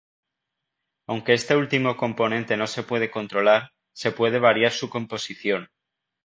Aunque este último componente no se puede controlar, se puede variar su composición.